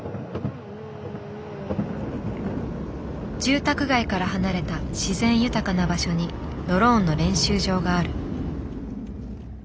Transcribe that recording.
住宅街から離れた自然豊かな場所にドローンの練習場がある。